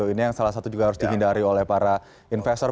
ini yang salah satu juga harus dihindari oleh para investor